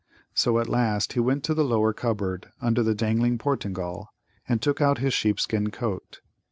So at last he went to the lower cupboard, under the dangling Portingal, and took out his sheepskin coat.